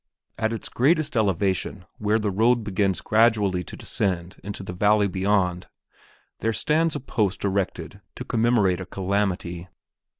At its greatest elevation, where the road begins gradually to descend into the valley beyond, there stands a post erected to commemorate a calamity.